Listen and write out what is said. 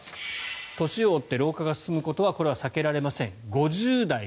年を追って老化が進むことはこれは避けられません。